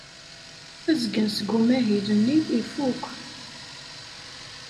Azgen seg umahil-nni ifuk.